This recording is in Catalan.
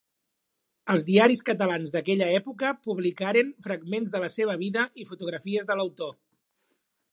Els diaris catalans d'aquella època publicaren fragments de la seva vida i fotografies de l'autor.